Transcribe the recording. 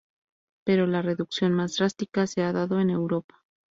Pero la reducción más drástica se ha dado en Europa.